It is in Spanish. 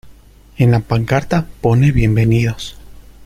en la pancarta pone bienvenidos.